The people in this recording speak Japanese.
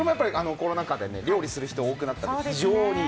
コロナ禍で料理する人が多くなりました。